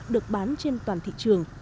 được bán trên toàn thị trường